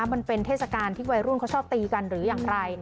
มันเป็นเทศกาลที่วัยรุ่นเขาชอบตีกันหรืออย่างไร